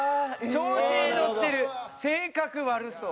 「調子に乗ってる性格悪そう」。